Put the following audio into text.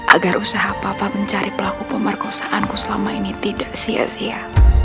agar usaha papa mencari pelaku pemerkosaanku selama ini tidak sia sia